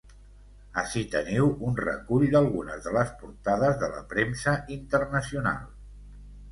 Ací teniu un recull d’algunes de les portades de la premsa internacional.